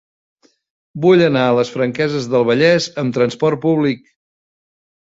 Vull anar a les Franqueses del Vallès amb trasport públic.